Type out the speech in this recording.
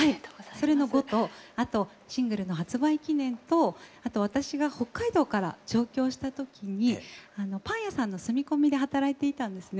それの「５」とあとシングルの発売記念とあと私が北海道から上京した時にパン屋さんの住み込みで働いていたんですね。